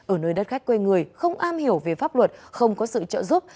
ở nơi đất khách quê người không am hiểu về pháp luật không có sự trợ giúp